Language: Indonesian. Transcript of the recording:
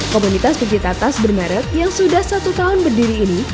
komunitas pencipta tas bermerek yang sudah satu tahun berdiri ini